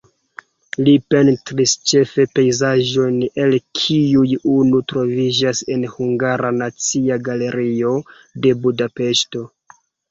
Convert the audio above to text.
Li pentris ĉefe pejzaĝojn, el kiuj unu troviĝas en Hungara Nacia Galerio de Budapeŝto.